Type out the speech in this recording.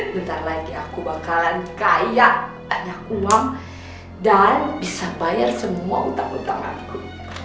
bentar lagi aku bakalan kaya punya uang dan bisa bayar semua utang utang aku